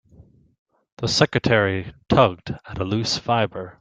The secretary tugged at a loose fibre.